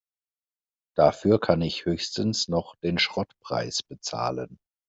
Dafür kann ich höchstens noch den Schrottpreis bezahlen.